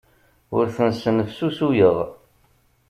Ur ten-snefsusuyeɣ.